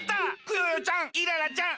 クヨヨちゃん